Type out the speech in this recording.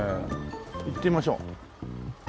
行ってみましょう。